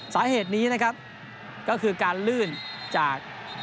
สาเหตุนี้นะครับก็คือการลื่นจาก